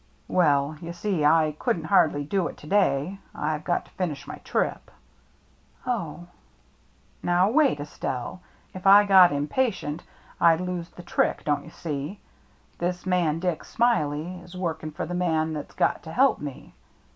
" Well — you see — I couldn't hardly do it to day. Fve got to finish my trip. "Oh —" Now wait, Estelle. If I got impatient, I'd lose the trick, don't you see. This man, Dick Smiley, is working for the man that's got to help me.